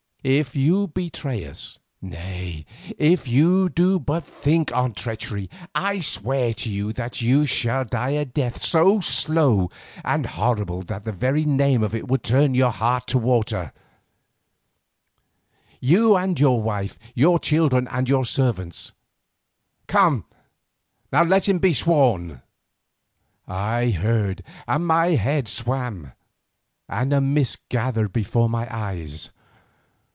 If you betray us, nay, if you do but think on treachery, I swear to you that you shall die a death so slow and horrible that the very name of it would turn your heart to water; you and your wife, your children and your servants. Come, let him be sworn!" I heard and my head swam, and a mist gathered before my eyes.